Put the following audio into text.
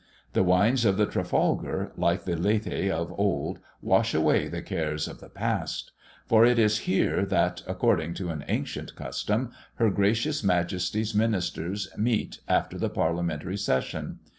The wines of the Trafalgar, like the Lethe of old, wash away the cares of the past; for it is here that, according to an ancient custom, Her gracious Majesty's ministers meet after the parliamentary session.